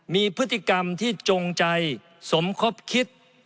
มีพฤติกรรมที่จงใจสมคบคิด